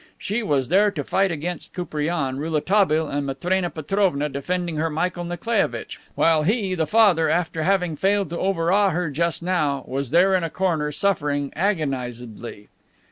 She was there to fight against Koupriane, Rouletabille and Matrena Petrovna, defending her Michael Nikolaievitch, while he, the father, after having failed to overawe her just now, was there in a corner suffering agonizedly.